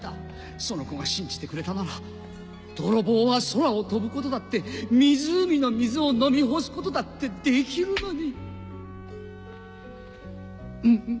その子が信じてくれたなら泥棒は空を飛ぶことだって湖の水を飲み干すことだってできるのに！